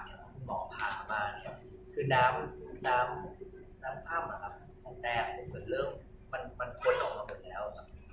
คุณหมอพามาคือดามอ่ามแต่ยังมันโฟนออกมาหมดแล้ว